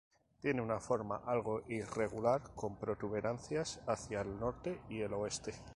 Tiene una forma algo irregular, con protuberancias hacia el norte y el oeste.